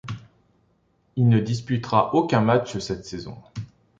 Il ne disputera aucun match cette saison.